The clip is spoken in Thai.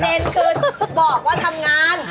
ประเด็นคือบอกว่าทำงาน